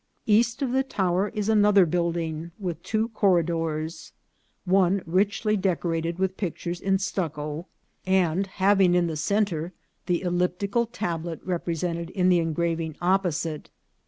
East of the tower is another building with two cor ridors, one richly decorated with pictures in stucco, and 318 INCIDENTS OF TRAVEL. having in the centre the elliptical tablet represented in the engraving opposite.